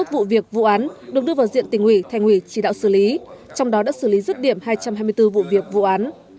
bốn trăm tám mươi một vụ việc vụ án được đưa vào diện tỉnh ủy thành ủy chỉ đạo xử lý trong đó đã xử lý rứt điểm hai trăm hai mươi bốn vụ việc vụ án